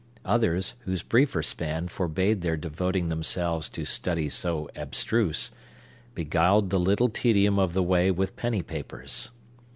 Others, whose briefer span forbade their devoting themselves to studies so abstruse, beguiled the little tedium of the way with penny papers.